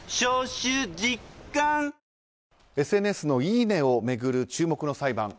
ＳＮＳのいいねを巡る注目の裁判。